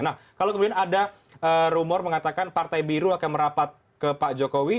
nah kalau kemudian ada rumor mengatakan partai biru akan merapat ke pak jokowi